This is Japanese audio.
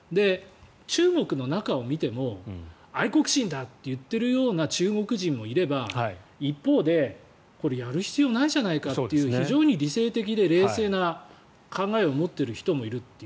中国の中を見ても愛国心だって言っているような中国人もいれば一方で、これ、やる必要ないじゃないかという非常に理性的で冷静な考えを持っている人もいると。